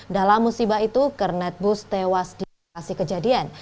dalam musibah itu kernet bus tewas di lokasi kejadian